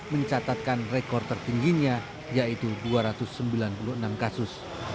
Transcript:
mencatatkan rekor tertingginya yaitu dua ratus sembilan puluh enam kasus